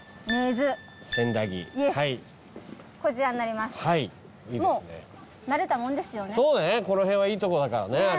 この辺はいいとこだからね。